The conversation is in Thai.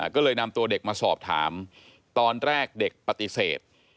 ก็เลยนำตัวเด็กมาสอบถามตอนแรกเด็กปฏิเสธ